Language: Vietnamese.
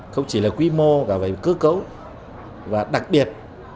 không chỉ là quy mô cả về cơ cấu và đặc biệt